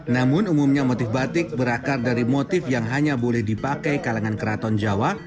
namun umumnya motif batik berakar dari motif yang hanya boleh dipakai kalangan keraton jawa